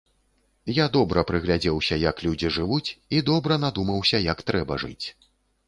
Я добра прыглядзеўся, як людзі жывуць, і добра надумаўся, як трэба жыць.